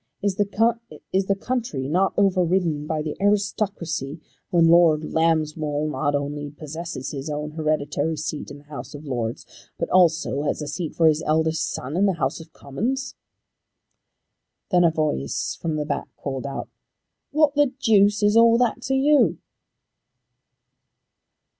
Is the country not over ridden by the aristocracy when Lord Lambswool not only possesses his own hereditary seat in the House of Lords, but also has a seat for his eldest son in the House of Commons?" Then a voice from the back called out, "What the deuce is all that to you?"